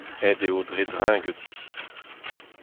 Aet eo dre dreñv ganti...